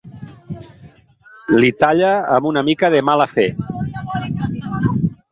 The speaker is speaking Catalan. Li talla amb una mica de mala fe.